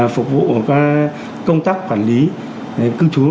phục vụ các công tác quản lý cư chú